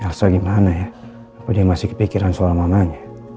asal gimana ya apa dia masih kepikiran soal mamanya